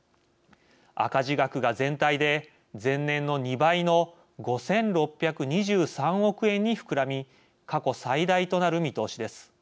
赤字額が全体で前年の２倍の５，６２３億円に膨らみ過去最大となる見通しです。